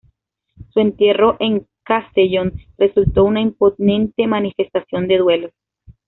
Su entierro en Castellón resultó una imponente manifestación de duelo.